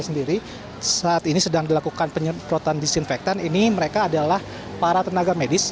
sendiri saat ini sedang dilakukan penyemprotan disinfektan ini mereka adalah para tenaga medis